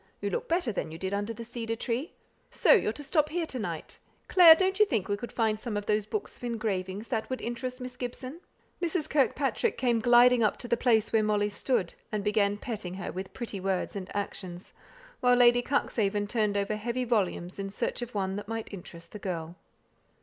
You look better than you did under the cedar tree. So you're to stop here to night? Clare, don't you think we could find some of those books of engravings that would interest Miss Gibson." Mrs. Kirkpatrick came gliding up to the place where Molly stood; and began petting her with pretty words and actions, while Lady Cuxhaven turned over heavy volumes in search of one that might interest the girl.